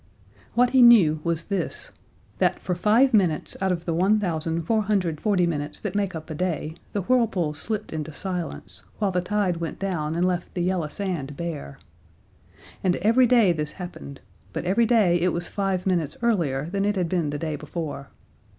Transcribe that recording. What he knew was this: that for five minutes out of the 1,440 minutes that make up a day the whirlpools slipped into silence, while the tide went down and left the yellow sand bare. And every day this happened, but every day it was five minutes earlier than it had been the day before.